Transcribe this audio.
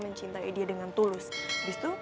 mencintai dia dengan tulus habis itu